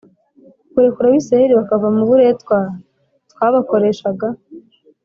kurekura abisiraheli, bakava mu buretwa twabakoreshaga?”